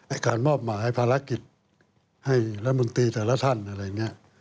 การมอบหมายภารกิจให้รัฐมนตรีแต่ละท่านอะไรอย่างนี้